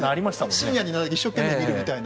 深夜に一生懸命見るみたいな。